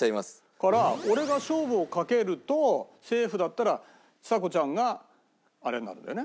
だから俺が勝負を懸けるとセーフだったらちさ子ちゃんがあれになるんだよね？